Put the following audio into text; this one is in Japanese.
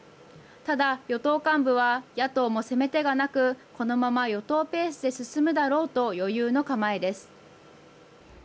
ただ、与党幹部は野党も攻め手がなくこのまま与党ペースで進むだろうと余裕の構えです。